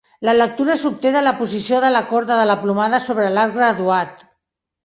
La lectura s'obté de la posició de la corda de la plomada sobre l'arc graduat.